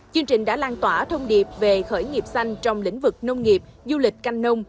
chương trình đã lan tỏa thông điệp về khởi nghiệp xanh trong lĩnh vực nông nghiệp du lịch canh nông